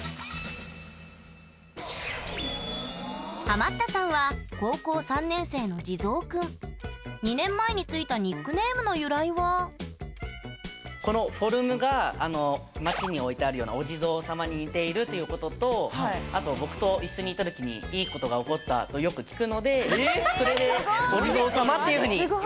ハマったさんは２年前についたニックネームの由来はこのフォルムが町に置いてあるようなお地蔵様に似ているということとあと僕と一緒にいた時にいいことが起こったとよく聞くのでそれでお地蔵様っていうふうに言われるようになりました。